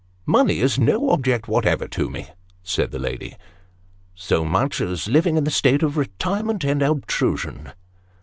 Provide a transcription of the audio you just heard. " Money isn't no object whatever to me," said the lady, " so much as living in a state of retirement and obtrusion."